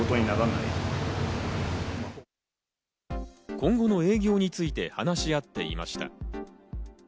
今後の営業について話し合っていました。